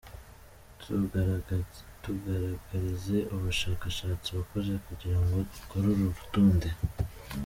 tugaragarize ubushakashatsi wakoze kugira ngo ukore uru rutonde.